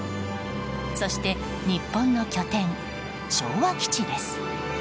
そして日本の拠点、昭和基地です。